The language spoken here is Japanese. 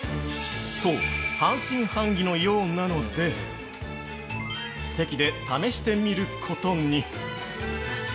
◆と、半信半疑のようなので関で試してみることに。